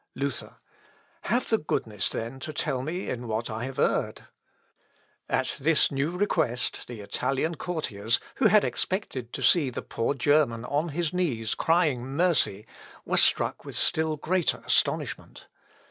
Luther. "Have the goodness, then, to tell me in what I have erred." At this new request the Italian courtiers, who had expected to see the poor German on his knees crying mercy, were struck with still greater astonishment.